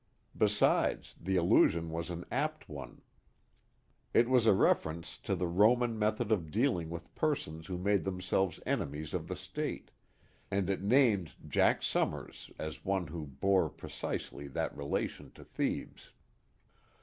Besides, the allusion was an apt one. It was a reference to the Roman method of dealing with persons who made themselves enemies of the State, and it named Jack Summers as one who bore precisely that relation to Thebes.